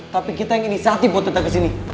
tapi kita yang ini sati buat kita kesini